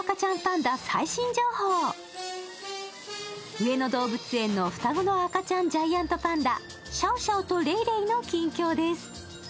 上野動物園の双子の赤ちゃんジャイアントパンダ、シャオシャオとレイレイの近況です。